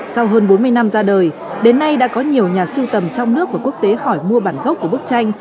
sau hơn bốn mươi năm ra đời đến nay đã có nhiều nhà sưu tầm trong nước và quốc tế hỏi mua bản gốc của bức tranh